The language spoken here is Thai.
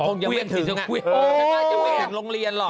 ไม่ง่ายจะไปถึงโรงเรียนหรอก